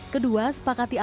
kedua sepakat diatur